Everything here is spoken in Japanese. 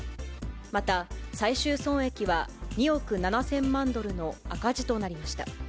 また、最終損益は２億７０００万ドルの赤字となりました。